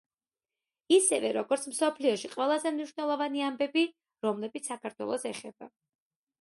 ისევე როგორც, მსოფლიოში ყველაზე მნიშვნელოვანი ამბები, რომლებიც საქართველოს ეხება.